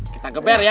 kita geber ya